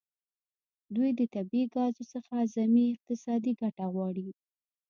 دوی د طبیعي ګازو څخه اعظمي اقتصادي ګټه غواړي